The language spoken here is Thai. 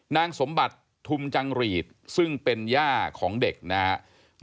นางสมบัติทุมจังหรีดซึ่งเป็นย่าของเด็กนะครับ